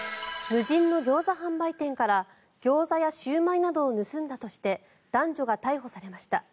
無人のギョーザ販売店からギョーザやシュウマイを盗んだとして男女が逮捕されました。